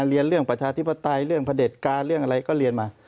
เรียนเรื่องประชาธิปไตยเรื่องพระเด็จการเรื่องอะไรก็เรียนมา